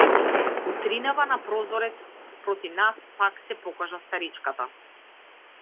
Утринава на прозорец спроти нас пак се покажа старичката.